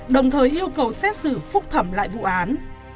đồng thời yêu cầu xét xử phúc thẩm lại vụ án